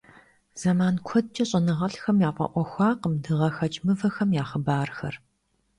Зэман куэдкӀэ щӀэныгъэлӀхэм яфӀэӀуэхуакъым дыгъэхэкӀ мывэхэм я хъыбархэр.